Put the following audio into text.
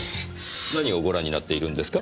何をご覧になっているんですか？